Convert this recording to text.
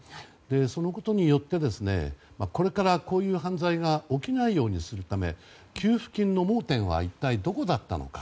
そのことによってこれからこういう犯罪が起きないようにするため給付金の盲点は一体どこだったのか。